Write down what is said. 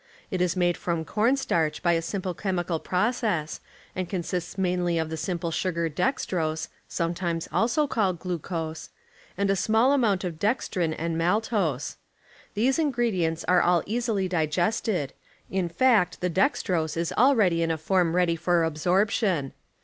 It is made from cornstarch by a simple chemical process, and consists mainly of the simple sugar dextrose (sometimes also called glucose) and a smaller amount of dextrin and maltose. These ingredients are all easily digested, in fact the dextrose is already in a form ready for absorption.